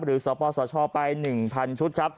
หรือศพศชไป๑๐๐๐ชุด